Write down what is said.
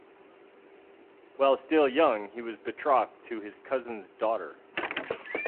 While still young he was betrothed to his cousin's daughter.